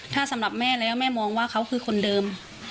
ถ้าสำหรับแม่แล้วแม่มองว่าเขาคือคนเดิม